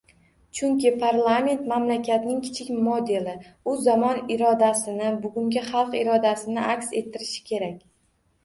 Chunki parlament - mamlakatning kichik modeli, u zamon irodasini, bugungi xalq irodasini aks ettirishi kerak